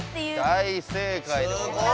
大正解でございます。